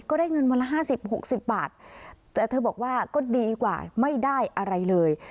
ก็ได้เงินวันละห้าสิบหกสิบบาทแต่เธอบอกว่าก็ดีกว่าไม่ได้อะไรเลย